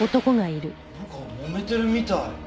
なんか揉めてるみたい。